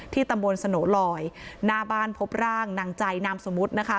ตำบลสโนลอยหน้าบ้านพบร่างนางใจนามสมมุตินะคะ